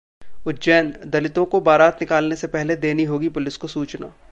उज्जैन: दलितों को बारात निकालने से पहले देनी होगी पुलिस को सूचना